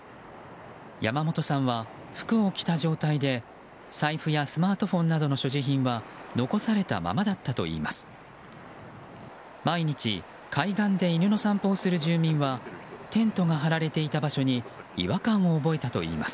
山本さんは服を着た状態で財布やスマートフォンなどの所持品は残されたままだったといいます。